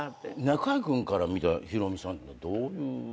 中居君から見たひろみさんってどういう。